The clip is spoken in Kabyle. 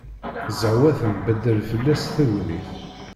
Zehwa tembaddal fell-as tegnit.